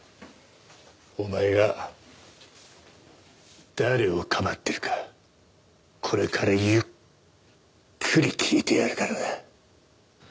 お前が誰をかばってるかこれからゆっくり聞いてやるからな。